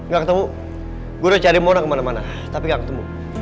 gak ketemu guru cari mona kemana mana tapi gak ketemu